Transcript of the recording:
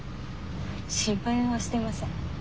心配はしてません。